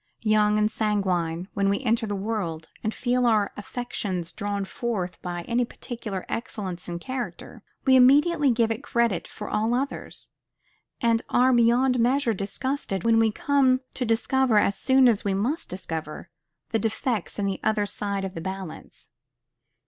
Young and sanguine, when we enter the world, and feel our affections drawn forth by any particular excellence in a character, we immediately give it credit for all others; and are beyond measure disgusted when we come to discover, as we soon must discover, the defects in the other side of the balance.